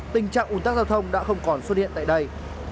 tình trạng ủn tắc giao thông đã không còn xuất hiện tại đây